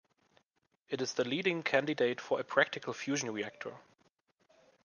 It is the leading candidate for a practical fusion reactor.